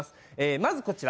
まずこちら。